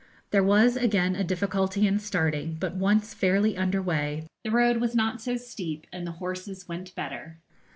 There was again a difficulty in starting, but, once fairly under way, the road was not so steep and the horses went better.